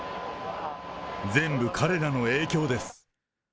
全部、彼らの影響です。